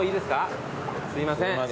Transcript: すいません。